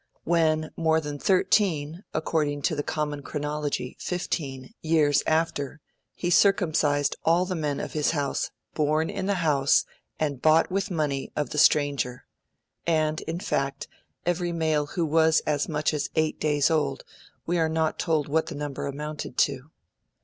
When, more than thirteen (according to the common chronology, fifteen) years after, he circumcised "all the men of his house, BORN IN THE HOUSE, AND BOUGHT WITH MONEY OF THE STRANGER", and, in fact, every male who was as much as eight days old, we are not told what the number amounted to.